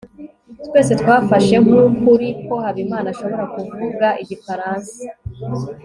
twese twafashe nk'ukuri ko habimana ashobora kuvuga igifaransa